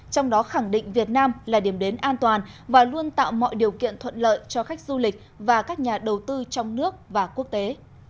trong đó khẳng định việt nam là điểm đến an toàn và luôn tạo mọi điều kiện thuận lợi cho khách du lịch và các nhà đầu tư trong nước và quốc tế